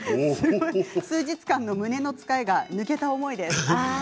数日間の胸のつかえが抜けた思いです。